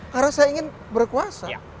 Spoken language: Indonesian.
karena saya ingin berkuasa